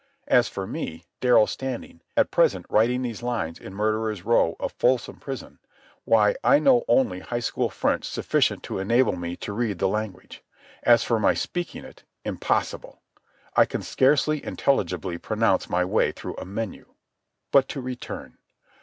As for me, Darrell Standing, at present writing these lines in Murderers' Row of Folsom Prison, why, I know only high school French sufficient to enable me to read the language. As for my speaking it—impossible. I can scarcely intelligibly pronounce my way through a menu. But to return.